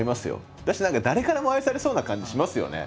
だし何か誰からも愛されそうな感じしますよね。